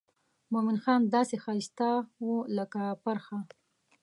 مومن خان داسې ښایسته و لکه پرخه.